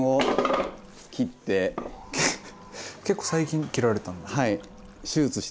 結構最近切られたんですか？